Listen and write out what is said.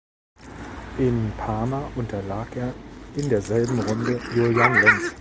In Parma unterlag er in derselben Runde Julian Lenz.